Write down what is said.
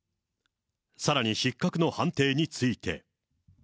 さらに失格の判定について。